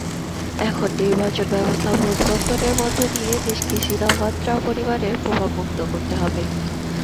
এখন নির্বাচনব্যবস্থা পরিবর্তনের মধ্য দিয়ে দেশকে সিনাওয়াত্রা পরিবারের প্রভাবমুক্ত করতে হবে।